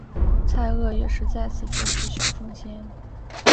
蔡锷也是在此结识小凤仙。